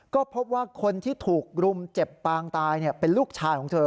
ก็พบว่าคนที่ถูกรุมเจ็บปางตายเป็นลูกชายของเธอ